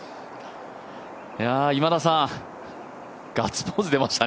今田さん、ガッツポーズ出ましたね。